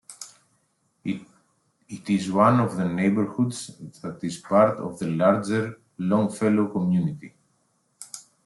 It is one of the neighborhoods that is part of the larger Longfellow community.